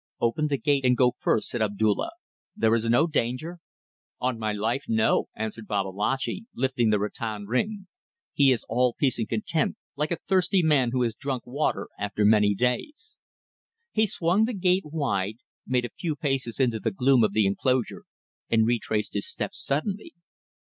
"Open the gate and go first," said Abdulla; "there is no danger?" "On my life, no!" answered Babalatchi, lifting the rattan ring. "He is all peace and content, like a thirsty man who has drunk water after many days." He swung the gate wide, made a few paces into the gloom of the enclosure, and retraced his steps suddenly.